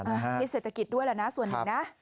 พิษเศรษฐกิจด้วยแหละนะส่วนหนึ่งนะ